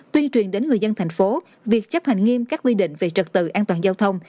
tuyên truyền đến người dân thành phố việc chấp hành nghiêm các quy định về trật tự an toàn giao thông